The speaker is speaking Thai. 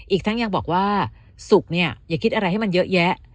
อีกทั้งยังบอกว่าสุขเนี่ยอย่าคิดอะไรให้มันเยอะแยะ